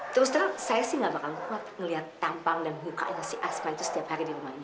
terus terang saya sih nggak bakal kuat ngelihat tampang dan mukanya si asma itu setiap hari di rumah ini